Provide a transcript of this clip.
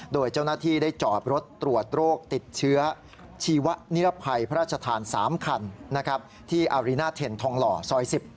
โดยเจ้าหน้าที่ได้จอดรถตรวจโรคติดเชื้อชีวนิรภัยพระราชทาน๓คันที่อารีน่าเทนทองหล่อซอย๑๐